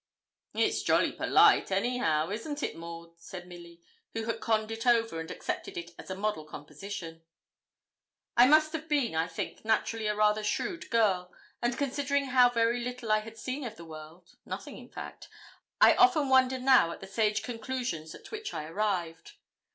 'It's jolly polite anyhow, isn't it Maud?' said Milly, who had conned it over, and accepted it as a model composition. I must have been, I think, naturally a rather shrewd girl; and considering how very little I had seen of the world nothing in fact I often wonder now at the sage conclusions at which I arrived.